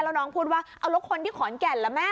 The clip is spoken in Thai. แล้วน้องพูดว่าเอาแล้วคนที่ขอนแก่นล่ะแม่